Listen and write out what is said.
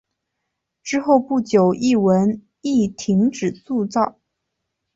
之后不久一文亦停止铸造。